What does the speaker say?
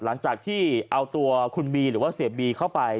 หลังจากที่เอาตัวคุณบีหรือว่าเสียบีเข้าไป